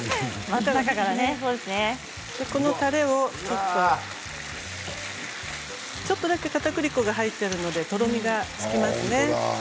このたれをちょっとだけかたくり粉が入っているのでとろみがつきますね。